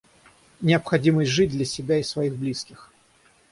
Необходимость жить для себя и своих близких.